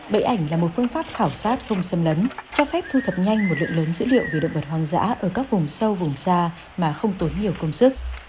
bẫy ảnh là một phương pháp khảo sát không xâm lấn cho phép thu thập nhanh một lượng lớn dữ liệu về động vật hoang dã ở các vùng sâu vùng xa mà không tốn nhiều công sức